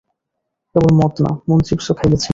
কেবল মদ না, মুনচিপসও খাইয়েছি।